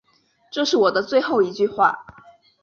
这是我的最后一句话